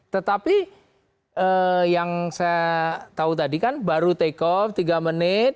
tetapi yang saya tahu tadi kan baru take off tiga menit